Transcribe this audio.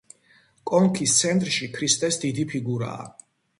კონქის ცენტრში ქრისტეს დიდი ფიგურაა.